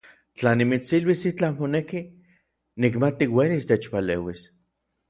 Tla nimitsiluis itlaj moneki, nikmati uelis techpaleuis.